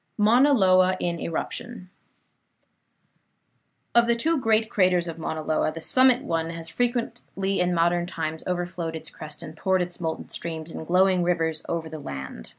MAUNA LOA IN ERUPTION Of the two great craters of Mauna Loa, the summit one has frequently in modern times overflowed its crest and poured its molten streams in glowing rivers over the land.